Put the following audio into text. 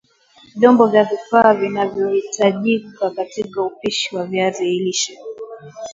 Vyombo na vifaa vinavyohitajika katika upishi wa viazi lishe